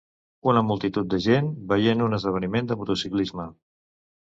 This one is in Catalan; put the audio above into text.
Una multitud de gent veient un esdeveniment de motociclisme.